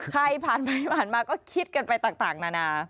ใครผ่านมาก็คิดกันไปต่างนานา